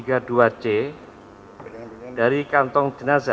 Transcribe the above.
yang dikira sebagai penumpang yang berada di jumat